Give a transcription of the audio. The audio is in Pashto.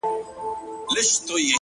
خير دی، زه داسي یم، چي داسي نه وم،